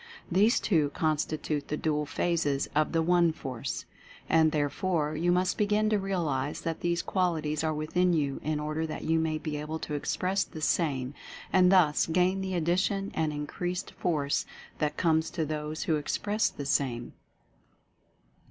These two constitute the Dual Phases of the One Force. And, therefore, you must begin to realize that these qualities are within you in order that you may be able to express the same and thus gain the addition and increased Force that comes to those who Express the same.